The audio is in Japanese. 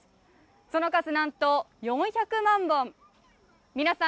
その数なんと４００万本皆さん